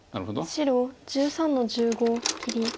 白１３の十五切り。